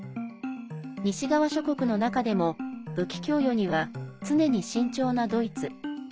西側諸国の中でも武器供与には常に慎重なドイツ。